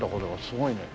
すごいね。